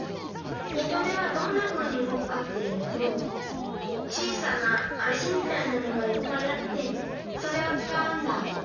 ヒトデはどんなふうにうごくかっていうと小さな足みたいなのがいっぱいあってそれをつかうんだ。